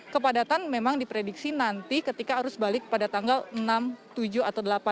kepadatan memang diprediksi nanti ketika arus balik pada tanggal enam tujuh atau delapan